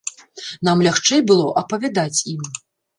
Нам лягчэй было апавядаць ім.